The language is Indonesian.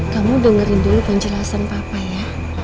kamu dengerin dulu penjelasan papa ya